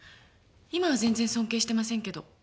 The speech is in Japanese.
今は全然尊敬してませんけど。